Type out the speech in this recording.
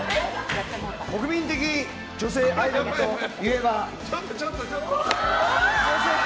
国民的女性アイドルといえば松田聖子！